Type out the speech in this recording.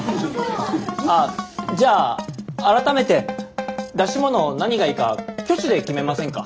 あっじゃあ改めて出し物何がいいか挙手で決めませんか？